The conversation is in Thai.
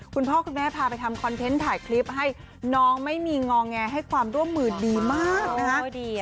คุณพ่อคุณแม่พาไปทำคอนเทนต์ถ่ายคลิปให้น้องไม่มีงอแงให้ความร่วมมือดีมากนะฮะ